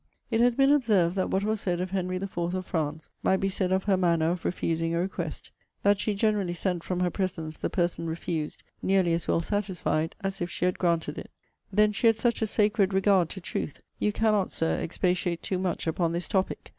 It has been observed, that what was said of Henry IV. of France, might be said of her manner of refusing a request: That she generally sent from her presence the person refused nearly as well satisfied as if she had granted it. Then she had such a sacred regard to truth. You cannot, Sir, expatiate too much upon this topic.